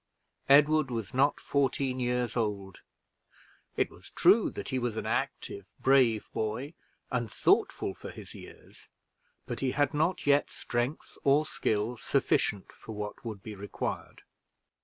Edward was not fourteen years old; it was true that he was an active, brave boy, and thoughtful for his years; but he had not yet strength or skill sufficient for what would be required.